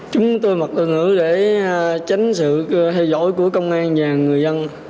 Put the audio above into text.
chúng tôi mặc đồ nữ để tránh sự theo dõi của công an và người dân